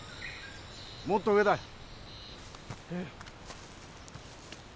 もっと上だ。